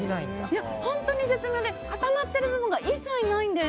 本当に絶妙で固まってる部分が一切ないんです。